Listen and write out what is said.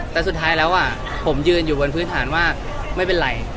แต่สุดท้ายแล้วผมยืนอยู่บนพื้นฐานว่าไม่เป็นไร